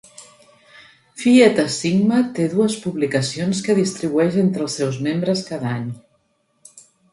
Phi Eta Sigma té dues publicacions que distribueix entre els seus membres cada any.